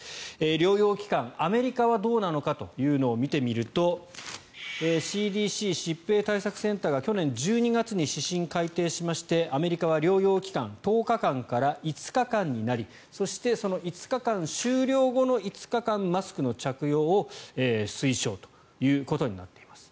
療養期間、アメリカはどうなのかというのを見てみるとＣＤＣ・疾病対策センターが去年１２月に指針を改定しましてアメリカは療養期間１０日間から５日間になりそしてその５日間終了後の５日間マスクの着用を推奨ということになっています。